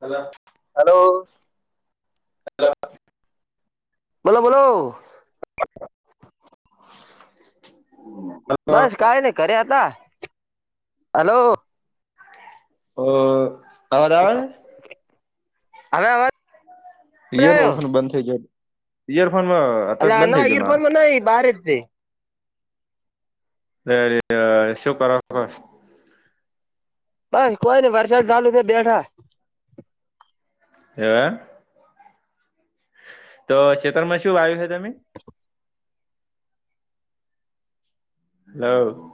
હલા hello બોલો બોલો. [unintelligible] બસ કઈ નહી ઘરે હતા, હલો. ઓ અવાજ આવે હે? આવે અવાજ? ઈયરો આવ્યો ફોન બંધ થઈ જાય. ઈયરફોનમાં હતો જ અલા બંધ નો થઈ ગયો ઈયર મારો ફોનમાં નહીં બારે જ છે. એ શું કરો? બસ કોઈ ની વરસાદ ચાલુ થે બેઠા એવ તો શેતારમાં શું વાયુ છે તમે હલોવ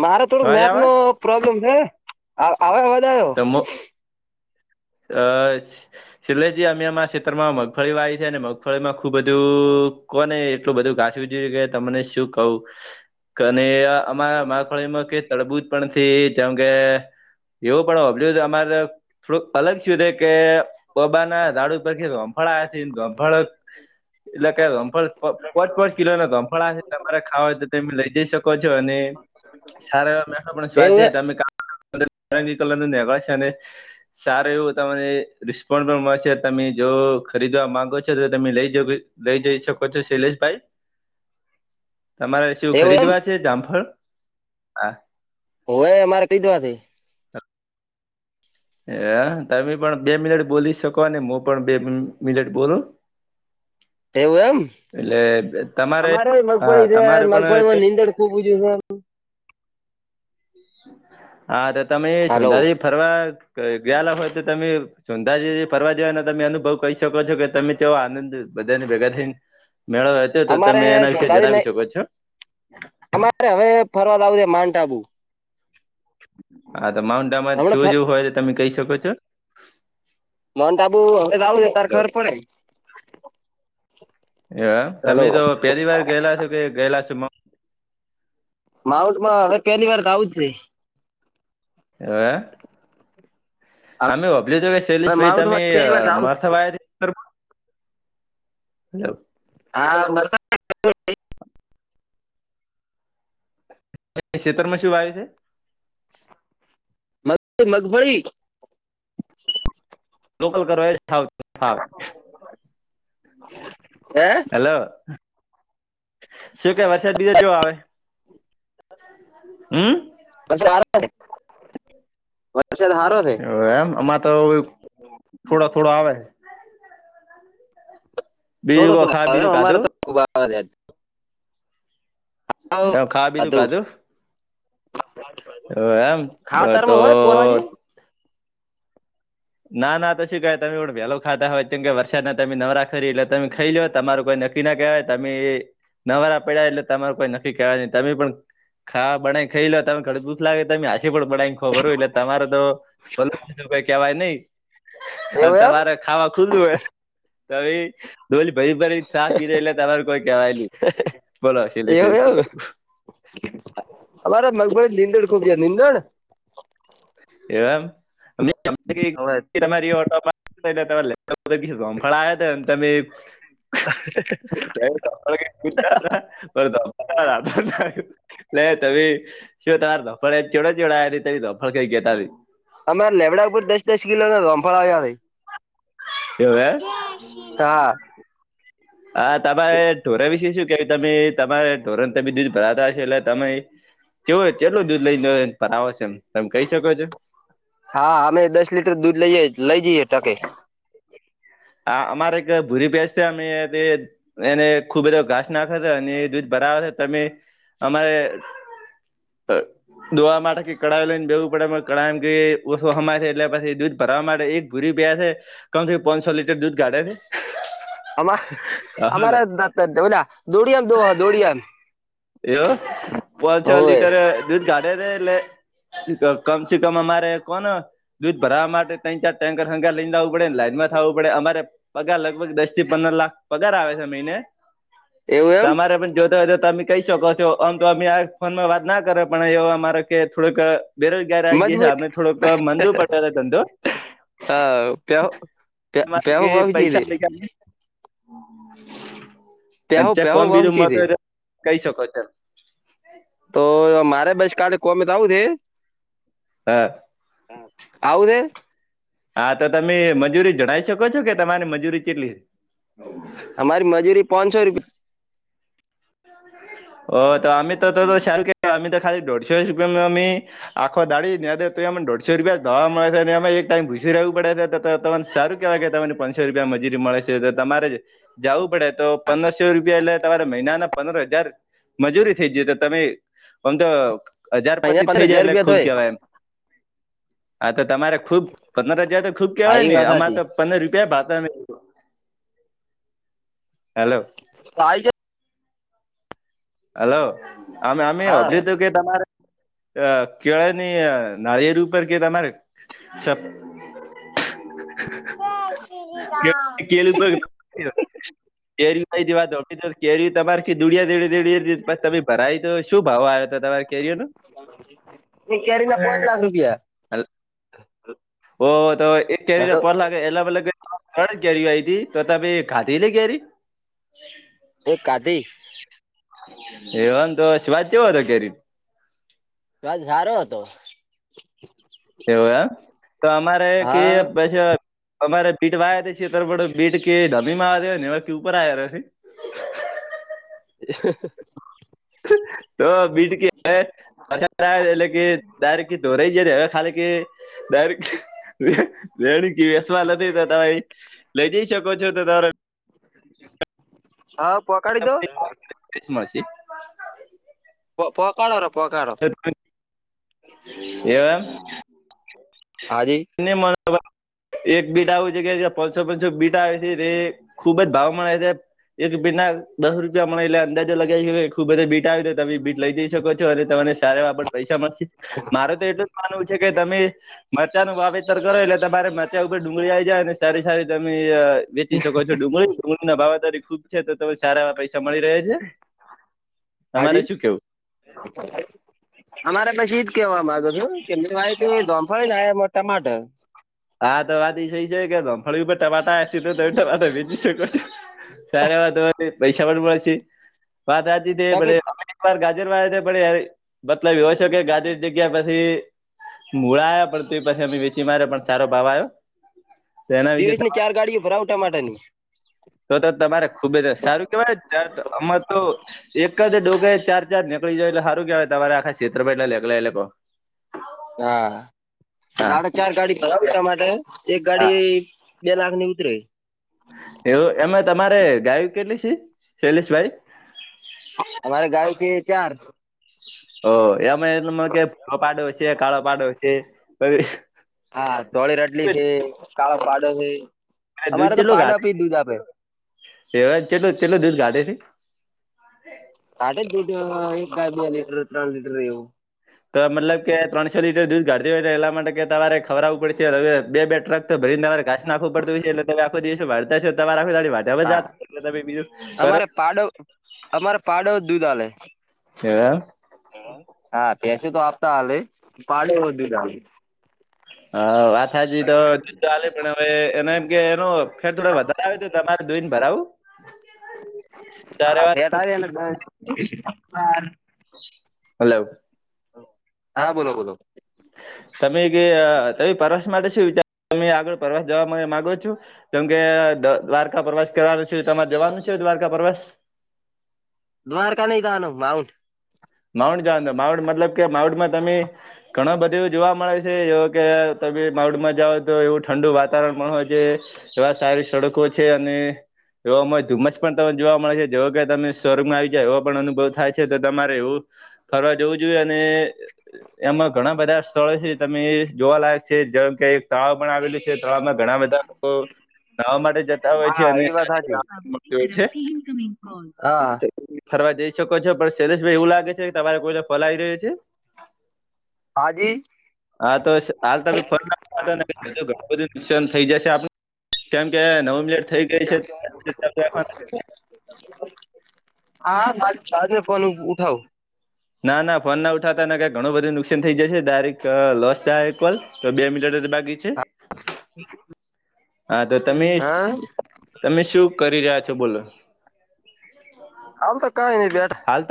મારે થોડુંક અવાજ નેટ આવે નો પ્રોબ્લેમ છે આવ આવે અવાજ આવ્યો મ અ છેલ્લે જી અમે અમા ક્ષેત્રમાં મગફળી વાવી છે ને મગફળી માં ખુબ બધું કોને એટલું બધું ગાઠવું જોઈ કે તમને શું કહું કનેય અમારા માખડીમાં કે તડબૂજ પણ થી જેમ કે એવું પણ હોભળ્યું અમારે થોડુંક અલગ શું રે કે પોબા ના દાડુ પર હંફાળા ધફાળ એટલે કે લમપળ પચ પચ કિલોને ધમફળ છે તમારે ખાવા હોય તો તમે લઈ જઈ શ કો છો અને સારા એવા મે પણ સ્વાદ એવું છે તમે કા [unintelligible] અને સારું એવું તમને રિસ્પોન્સ પણ મળશે તમે જો ખરીદવા માંગો છો તો તમે લઈ જ લઈ જઈ શકો છો શૈલેષભાઈ તમારે શવું એવું એમ ખરીદવા છે જામંફળ હા હવે મારે કીધવાથી હ તમે પણ બે મિનટ બોલી શકો ને મુ પણ બે મિનટ બોલું [unintelligible] એવું એમ એટલે તમારે અમારે હા મગફળી છે તમારે પણ મગફળીમાં નીંદર [unintelligible] હા તો તમે હલો સુંઘારી ફરવા ગ ગયાલા હોય તો તમે સોંધા ફરવા જવાને તમે અનુભવ કહી શકો છો કે તમે ચો આનંદ બધાને ભેગા થઈ મેળવ તો અમારે તમે એના વિશે સોંધાથી જણાવી શકો છો. અરે હવે ફરવા જાવ છે માઉન્ટ આબુ હા તો માઉન્ટ આમા હમણાં શું ફર જેવું હોય તો તમે કહી શકો છો. માઉન્ટ આબુ હવે જાવું તા ખબર પડે. એ હલો તમે તો પેલી વાર ગયેલા છો કે ગયેલા છો મ માઉટમાં હવે પેલી વાર તો જાવું જ છે. હ અમે હોભલી છે કે હવે સૈલીશ ભાઈ તમે માઉન્ટમાં પહેલી વાર રાઉન્ડ મરથા વાયા છે. [unintelligible] હા [unintelligible] શેરમાં શવા આવે છે મગફી મગફળી લોકલ કર છે થાવ થાવ હે હેલો શું કે વરસાદ બીજા જો આવે હમ પછ આ ને હ એમ આમાં તો થોડા થોડા આવે બીજું થોડો કો તો ખા બીજું વા અમારે ખાધું તો ખબ એ ખા બીધું કાધું હ એમ તો ખાતરમાં હોય પોલાજી ના નાી કઈ તમેડે વહેલો ખાતા હોય કેમ કે વરસાદને તમે નવરા ખરી એટલે તમે ખાઈ લ લો હો તમારું કોઈ નક્ નકી ના કહેવાય તમે એ નવારા પડ્યા એટલે તમારું કોઈ નક્કી કેહેવાય નહી તમે પણ ખા બના ખાઈ લો તમે ઘડ દૂસ લાગે તમે આાી પણ બનાઈ ખબર હોય એટલે તમારે તો ભલ કેવાય નહી એવું એમ તમારે ખાવા ખુધું હ તો ભ ડોલી ભરી ભરી સાફ પીધે એટલે તમાર કોઈ કેવાય ન બોલોલે એવું એમ અમારે મગભળી નીંદડ ખૂબ છેયા નીંદણ હવે એમ અમફળયા હતા તમે રા ન તમે શું તમારે ધફડ ચોડો ચવડાયા તમે ધફડ કઈ કેતા અમારે લેવડા ઉપર દસ દસ કિલો ના રમફળ આવ્યા તાઈ કેવય હા આ તમારે ઢોર વિશે શું કેવાય તમે તમારે ઢોરણને બીજું જ ભરાતા હશે એટલે તમે કેવો કેટલું દૂધ લઈને પર આવ છે એમ તમે કહી શકો છો હા અમે દસ લીટર દૂધ લઈએ લઈ જઈએ ટકે અમારે એક ભૂરી બેસ્યા અમે તે એને ખુબ બધો ઘાસ નાખે છે અને એ દૂધ બરાવેર છે તમે અમારે હ દોવા માટે કે કળાઈ લઈને ભેગું પડે કળામ કે ઓછો સમાય છે એટલે પછી દૂધ ભરવા માટે એક ભુરી પયા થ કમસે કમ પાંચસો લીટર દૂધ કાઢેે અમા અમારે દ દોડીિયામ દોડીિયામ એયો પાંચ છ લીટર દૂધ કાઢે છે એટલે કમ સ કમ અમારે કોન દૂધ ભરવા માટે ત્રણ ચાર ટેન્કર હંગાર લઈને આવું પડેને લાઈન માં થવું પડે અરે પગાર લગભગ દસ થી પંદર લાખ પગાર આવે છે મહિને એવું એમ તમારે પણ જોતો હોય તો તમે કહી શકો છો આમ તો અમે આ ફોનમાં વાત ના કરે પણ એ અમારે કે થોડુંક બેરોજગાર આ છે મજબૂત આપને થોડોક મંદો પડ્યો ધંધો હા પ પ પહેવો કે બુ છે પૈસા લઈ અને પેહુ ચ પેહુ કોમ બીધું વહુચી મતો થી કહી શકો ત તો મારે બસ કાલે કોમે તો આવું છે હા હા ખાઉદે હા તો તમે મજૂરી જણાવ શકો છો કે તમારી મજૂરી કેટલી અમારી મજૂરી પાંચસો રૂપિયા હ તો આ તો શ કે તો ખાલી દોઢશ રૂપિયા આખો દાળી ને તો એમને દોઢસો રૂપિયા જ દવા મળે છે ને એમાં એક ટાઈમ ઘુસી રહેવું પડે ને તને સારું કેવાય કે તમને પાંસો રૂપિયા મજૂરી મળે છે તો તમારે જાવું પડે તો પંદરસો રૂપિયા એટલે તમારે મહિનાના પંદર હજાર મજૂરી થઈ જઈ તો તમે અમ તો મહિને હજારપતિ થઇ પંદર જાય હજાર એટલે રૂપિયા ખુબ થય કેવાય એમ. આા તો તમારે ખુબ પંદર હજારે ખુબ હા કેવાય એ ને અ વાત અમાર સાચી તો પંદર રૂપિયા [unintelligible] હેલો [unintelligible] હલો અમે હા [unintelligible] તમારે કેળાની નાળિયેર ઉપર કે તમારે [inaudible] [unintelligible] કેરી તમારે ક [unintelligible] તમે ભરાય દો તો શું ભાવ આવે એક કેરી ના પાંચ લાખ રૂપિયા. ઓ તો એક કેરીના હેલો [unintelligible] [unintelligible] ત્રણ જ કેરી આય હતી તો તમે ખાધીતી કેરી એ ખાધી [unintelligible] સ્વાદ ચેવો હતો કેરીનો સ્વાદ હારો હતો. એવું એમ તો અમારે કે હા [unintelligible] અમારે [unintelligible] [inaudible] [unintelligible] [unintelligible] [unintelligible] લઈ જઈ શકો છો તો તારો હા [unintelligible] [unintelligible] [unintelligible] [unintelligible] [unintelligible] [unintelligible] તે ખુબ જ ભાવ મળે છે [unintelligible] [unintelligible] પૈસા મળશે મારે તો એટલું જ માનવું છે કે તમે [unintelligible] [unintelligible] [unintelligible] મળી રહે છે તમારે હાજી શું કેવું [inaudible] [unintelligible] [unintelligible] બાકી [unintelligible] [unintelligible] [unintelligible] તો એના વિશે [unintelligible] તો તો તમારે ખુબ જ સારું કેવાય [unintelligible] [unintelligible] હા [unintelligible] હા [unintelligible] એવું એમે તમારે ગાય કેટલી છે શૈલેષભાઈ અમારે ગાય છે ચાર [unintelligible] [unintelligible] છે કાળો પાડો છે અમારે તો પાડો ભી દૂધ આપે. એવા ચેલો ચેલો દિવસ [unintelligible] આ એક ગાય બે લીટર ત્રણ લીટર એવું. તો મતલબ કે ત્રણસો લીટર દૂધ ગાઢતી હોય ને એટલા માટે કે તમારે ખવડાવું પડે હવે બે ટ્રક તો ભરીને તમારે ગા નાખું પડતુંય છે એટલેમે આખ દિવસો ભતા છો તમારે આખલે તમે બીજું ખર પાડવ અમારે પાડો દૂધ આલે. હા. હા ભેંસ તો આપતા હાલે પાડો દૂધ હાલે. હા વાત હાચીતો જીતોલે પણે એને એમ કે એનો ફેર થોડક વધારે આવે તમારે જોઈને ભરાવું? સારે હા ફેટ વાત આવે [unintelligible] હલો. હા બોલો બોલો. તમે ભી તય પ્રવાસ માટે શું વિચાર તમે આગળ પ્રવાસ જવા માટે માગો છો? જેમ કે દ્વારકા પ્રવાસ કરવાનું છે, તમારે જવાનું છે દ્વારકા પ્રવાસ? દ્વારકા નહી જવાનું માઉન્ટ. માઉન્ટ જાવાનુ માઉન્ટ મતલબ કે માઉન્ટ માં તમે ઘણા બધું એવું જોવા મળે છે એવ કે તમે માઉન્ટ માં જાઓ તો એવું ઠંડુ વાતાવરણ પણ હોય છે એવા સારી સડકો છે અને એવામાં ધુમ્મસ પણ તમને જોવા મળે છે. જેવો કે તમે શરમાઇ જાય એવો પણ અનુભવ થાય છે. તો તમારે એવું ફરવા જવું જુવે અને એમાં ઘણા બધા સ્થળો છે. તમે જોવાલાયક છે જેમ કે તળાવ પણ આવેલું છે, તળાવ માં ઘણા બધા લોકો નવા માટે જતા હોય છે, હા અને એ વાત હાચી [unintelligible] હોય છે. હા. ફરવા જઈ શકો છો, પણ શૈલેષભાઈ એવું લાગે છે કે તમારે કોઈ કોલ આવી રહ્યો છે? હાજી હા તો હાલ તો ફોન [inaudible] ઘણું બધું [inaudible] થઈ જશે આપ કેમ કે નવ મિનિટ થઈ ગઈ છે [inaudible] [unintelligible] ઉઠાવ [inaudible] ના ના ફોન ના ઉઠાતાને ક ઘણું બધું નુકસાન થઈ જાયશે દરેક લોસ થાયલ તો બે મીનીટ જ બાકી છે [unintelligible] હા તો તમે, હા તમે શું કરી રહ્યા છો બોલો? આમ તો કઈની બેઠા. હાલ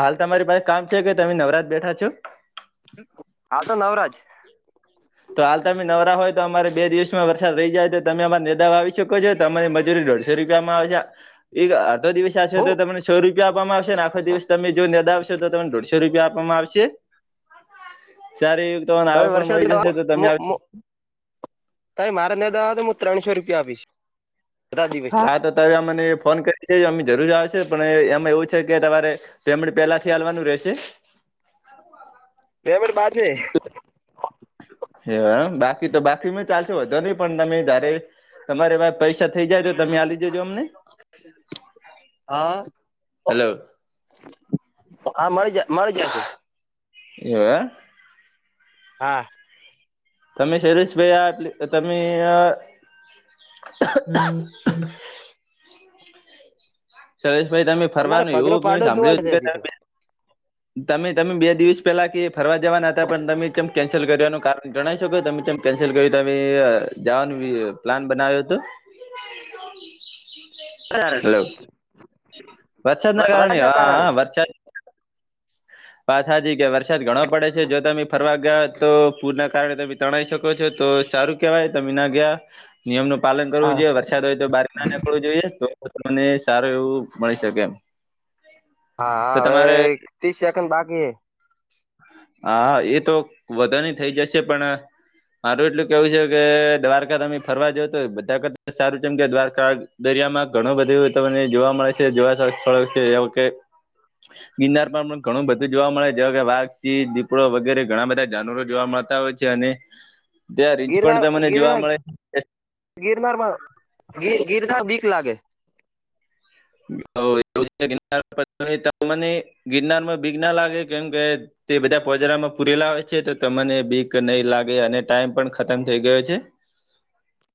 હાલ તમારી પાસે કામ છે કે તમે નવરાત બેઠા છો? હા તો નવરાજ. તો હાલ તમે નવરા હોય તો અમારે બે દિવસમાં વરસાદ રહી જાય તો તમે અમારે નિંદાવા આવી શકો છો તો અમારી મજૂરી રડ રૂપિયામાં આવે છે. એક આખો દિવસ આશે તો હું તમને સો રૂપિયા આપવામાં આવશે ને આખો દિવસ તમે જો નીદાવશો તો તમને દોઢસો રૂપિયા આપવામાં આવશે. સારી એવી તમને આવક પણ મળી જશે. તો તમે [unintelligible] ત્રાણશો રૂપિયા આપીશ. બધા હા દિવસના તો તમે અમને ફોન કરી છે અમે જરૂર આવશે પણ એમાં એવું છે કે તમારે તેમણે પેલાથી હાલવાનું રહેશે. તેવળ બારની. હમ બાકી તો બાકીમાં ચાલશે વધો નહી પણ તમે જારે તમારેમાં પૈસા થઇ જાય તો તમે આલી દેજો અમને. હા હેલો હા મળી જ મળી જશે. હે. હા. તમે શરીષ ભાઈ આ તમે હમ હમ શરેશભાઈ તમે અમારે ફરવાનું પગરો એવું મે પાડો ધોવા સાંભળ્યું હતું જ કે હતી તો તમે તમે બે દિવસ પેલા કે ફરવા જવાના હતા પણ તમેમ કેન્સલ કરનું કારણ ગણાવ શકો તમે જેમ કેન્સલ કરી ત જવાનું પ્લાન બનાવ્યો હતો [inaudible] હ વર્ષદ ન કારણેણીય કારણે હ વષદ પાથાજી કે વરસાદ ઘણો પડે છે જો તમે ફરવા ગયા તો પૂર ના કારણે તમે તણાઈ શકો છો તો સારું કેહેવાય તમે ના ગયા નિયમ નું પાલન કરવું હા જોએ વરદય તો બ નીકવું જોઈએ તો તમને સારું એવું મળી શકે એમ હા તો હવે તમારે ત્રીસ સેકન્ડ બાકી હ હા એ તો વધાની થઈ જશે પણ મારું એટલું કેવું છે કે દ્વારકા તમે ફરવા જા તો બધા સારું છેમ કે દ્વારકા દરિયામાં ઘણું બધું તમને જોવા મળે છે જોવા સ્થળ છે એ વ કે ગિન્નારરમાં ઘણું બધું જોવા મળે જેવા કે વાઘસીી દીપડો વગેરે ઘણા બધા જાનવરો જોવા મળતા હોય છે અને બે ર ઇંચ ગિરનાર પણ તમને જોવા ગિરનાર મળે ગિરનારમાં ગિરનાર વીક લાગે વુંર મને ગિરનારમાં બીગ ના લાગે કેમ કે તે બધા પોજારામાં પૂરેલા હોય છે તો તમને બીક નહીં લાગે અને ટાઈમ પણ ખતમ થઈ ગયો છે